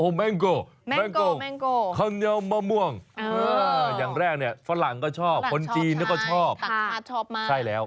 แมงโก้คนเดียวมะม่วงอย่างแรกฝรั่งก็ชอบคนจีนก็ชอบใช่แล้ว